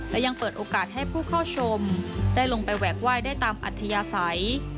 และยังเปิดโอกาสให้ผู้เข้าชมได้ลงไปแหวกไหว้ได้ตามอัธยาศัย